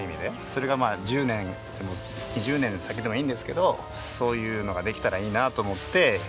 それが１０年でも２０年先でもいいんですけどそういうのができたらいいなと思って。